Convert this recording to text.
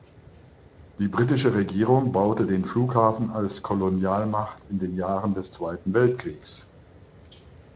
Die britische Regierung baute den Flughafen als Kolonialmacht in den Jahren des Zweiten Weltkriegs.